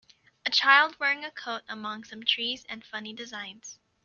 A child wearing a coat among some trees and funny designs.